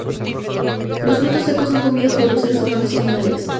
Los frutos secos son comidos por los seres humanos y animales.